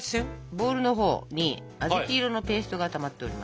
ボウルのほうに小豆色のペーストがたまっております。